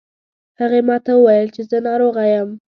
هغې ما ته وویل چې زه ناروغه یم